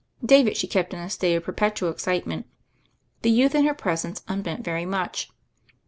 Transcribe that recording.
David she kept in a state of perpetual excitement. The youth in her presence unbent very much.